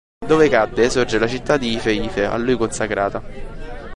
Dove cadde sorge la città di Ife Ife a lui consacrata.